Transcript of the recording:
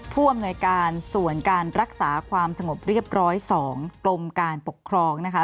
ผู้อำนวยการส่วนการรักษาความสงบเรียบร้อย๒กรมการปกครองนะคะ